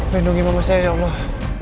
lindungi mama saya ya allah